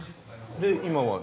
で今は？